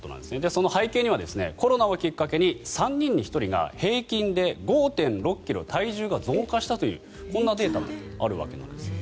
その背景にはコロナをきっかけに３人に１人が平均で５．６ｋｇ体重が増加したというこんなデータもあるわけです。